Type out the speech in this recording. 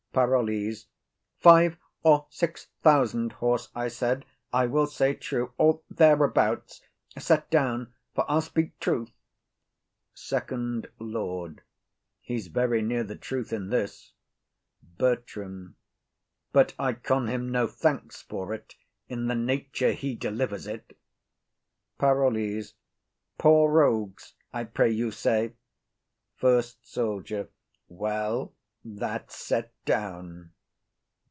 PAROLLES. 'Five or six thousand horse' I said—I will say true—or thereabouts, set down,—for I'll speak truth. FIRST LORD. He's very near the truth in this. BERTRAM. But I con him no thanks for't in the nature he delivers it. PAROLLES. Poor rogues, I pray you say. FIRST SOLDIER. Well, that's set down.